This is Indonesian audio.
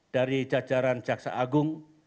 dari jajaran jaksa agung